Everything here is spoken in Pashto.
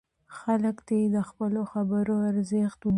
خلک دې د خپلو خبرو ارزښت وویني.